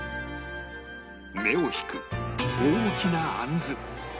目を引く大きなあんず